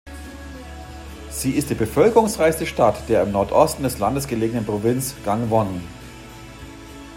Sie ist die bevölkerungsreichste Stadt der im Nordosten des Landes gelegenen Provinz Gangwon.